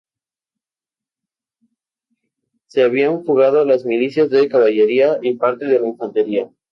Se habían fugado las milicias de caballería y parte de la infantería.